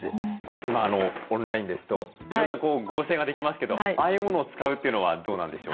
今オンラインですといろんな合成ができますけどああいうものを使うというのはどうなんでしょうか？